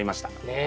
ねえ。